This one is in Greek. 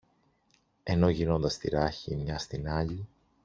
ενώ γυρνώντας τη ράχη η μια στην άλλη